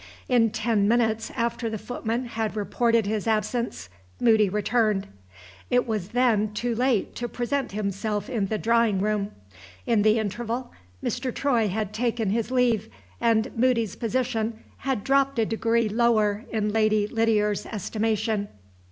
In ten minutes after the footman had reported his absence, Moody returned. It was then too late to present himself in the drawing room. In the interval, Mr. Troy had taken his leave, and Moody's position had dropped a degree lower in Lady Lydiard's estimation.